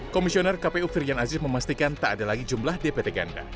komisioner kpu firian aziz memastikan tak ada lagi jumlah dpt ganda